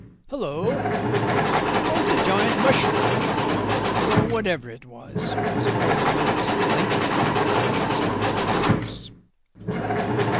"Hullo, how's the giant mushroom, or whatever it was?" was all the notice Blenkinthrope got from his fellow travellers.